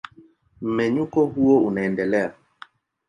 Mmenyuko huo unaendelea.